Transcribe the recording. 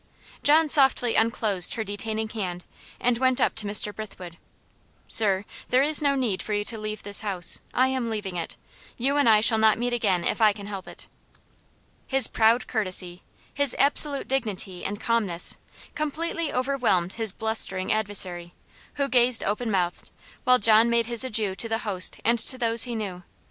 John softly unclosed her detaining hand, and went up to Mr. Brithwood. "Sir, there is no need for you to leave this house I am leaving it. You and I shall not meet again if I can help it." His proud courtesy, his absolute dignity and calmness, completely overwhelmed his blustering adversary; who gazed open mouthed, while John made his adieu to his host and to those he knew.